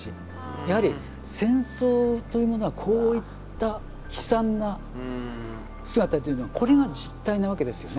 やはり戦争というものはこういった悲惨な姿というのはこれが実態なわけですよね。